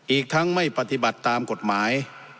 อีกทั้งไม่ปฏิบัติตามกฎหมาย